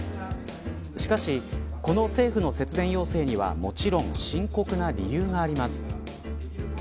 しかし、この政府の節電要請にはもちろん深刻な理由があります。